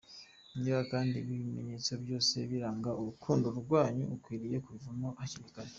Niba kandi ibi bimenyetso byose biranga urukundo rwanyu, ukwiriye kubivamo hakiri kare.